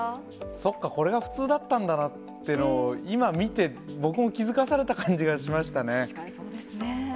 そっか、これが普通だったんだなって、今見て、僕も気付かされた感じが確かにそうですね。